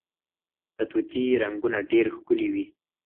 د طوطي رنګونه ډیر ښکلي وي